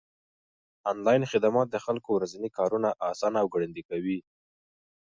انلاين خدمات د خلکو ورځني کارونه آسانه او ګړندي کوي.